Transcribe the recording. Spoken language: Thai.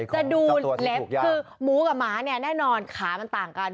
จะดูเล็บคือหมูกับหมาเนี่ยแน่นอนขามันต่างกัน